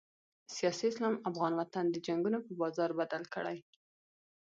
سیاسي اسلام افغان وطن د جنګونو په بازار بدل کړی.